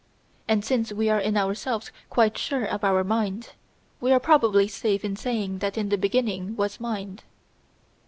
And since we are in ourselves quite sure of our Mind, we are probably safe in saying that in the beginning was Mind.